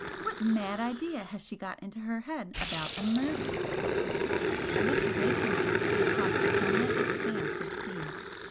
What mad idea has she got into her head about a murder?" I looked away from him across the sunlit expanse of sea.